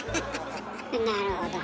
なるほど。